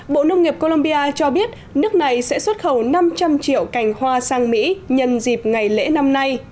bộ nông nghiệp colombia cho biết nước này sẽ xuất khẩu năm trăm linh triệu cành hoa sang mỹ nhân dịp ngày lễ năm nay